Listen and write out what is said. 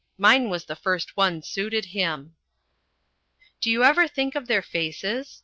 Mine was the first one suited him." "Do you ever think of their faces?"